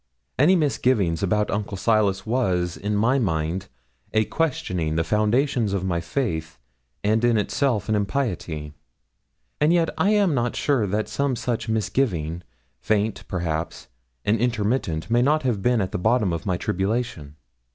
Any misgiving about Uncle Silas was, in my mind, a questioning the foundations of my faith, and in itself an impiety. And yet I am not sure that some such misgiving, faint, perhaps, and intermittent, may not have been at the bottom of my tribulation.